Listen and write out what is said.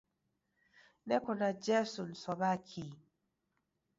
Neko na Jesu nisow'a kii?